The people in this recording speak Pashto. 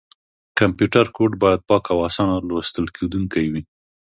کمپیوټر کوډ باید پاک او اسانه لوستل کېدونکی وي.